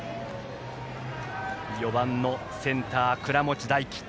４番のセンター倉持大希。